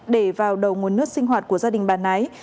để vào đầu nguồn nước sinh hoạt của gia đình bà nái